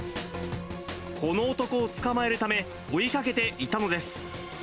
この男を捕まえるため、追いかけていたのです。